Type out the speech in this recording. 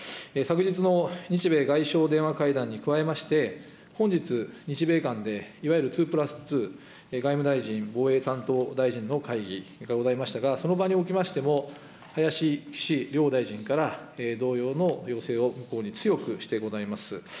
昨日の日米外相電話会談に加えまして、本日、日米間でいわゆる２＋２、外務大臣、防衛担当大臣の会議でございましたが、その場に起きましても、林、岸両大臣から、同様の要請を向こうに強くしてございます。